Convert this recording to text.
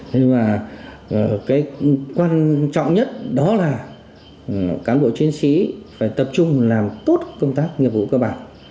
thế nhưng mà cái quan trọng nhất đó là cán bộ chiến sĩ phải tập trung làm tốt công tác nghiệp vụ cơ bản